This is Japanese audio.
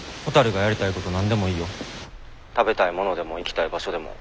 食べたいものでも行きたい場所でも。